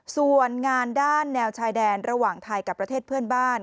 ส่วนงานด้านแนวชายแดนระหว่างไทยกับประเทศเพื่อนบ้าน